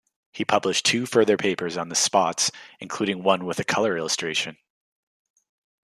He published two further papers on the spots, including one with a colour illustration.